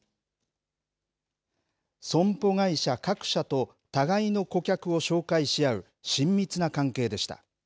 損保会社各社と互いの顧客を紹介し合う親密な関係でした。